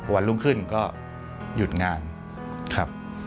วันรุ่งขึ้นก็หยุดงานครับ